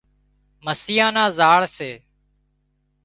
مسيان نا زاۯ سي